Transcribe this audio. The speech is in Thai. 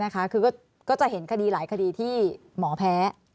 คือก็จะเห็นคดีหลายคดีที่หมอแพ้